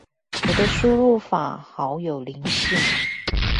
我的輸入法好有靈性